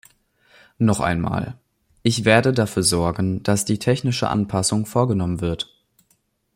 Noch einmal, ich werde dafür sorgen, dass die technische Anpassung vorgenommen wird.